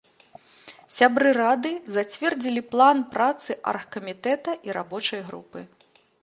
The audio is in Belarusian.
Сябры рады зацвердзілі план працы аргкамітэта і рабочай групы.